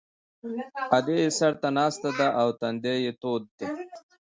ادې یې سر ته ناسته ده او تندی یې تود دی